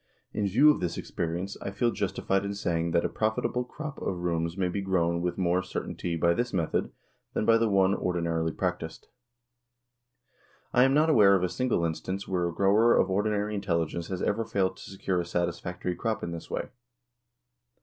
In view of the experience I feel justified in saying that a profitable crop of 'rooms may be grown with more certainty by this method than by the one ordinarily practiced. I am not aware of a single instance where a grower of ordinary intelligence has ever failed to secure a satisfactory crop in this way.